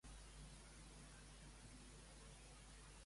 Què opina Nancy de Grummond?